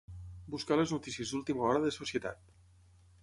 Buscar les notícies d'última hora de societat.